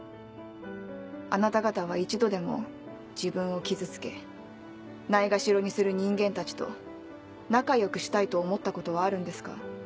あなた方は一度でも自分を傷つけないがしろにする人間たちと仲良くしたいと思ったことはあるんですか？